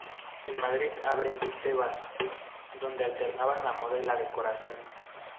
En Madrid abren 'Tebas', donde alternaban la moda y la decoración.